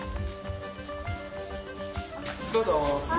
どうぞ。